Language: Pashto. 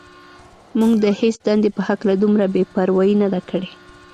موږ د هېڅ دندې په هکله دومره بې پروايي نه ده کړې.